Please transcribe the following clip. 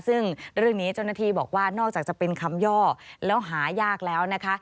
ซึ่งเรื่องนี้เจ้าหน้าที่บอกว่านอกจากจะเป็นคำย่อแล้วหายากแล้วนะคะ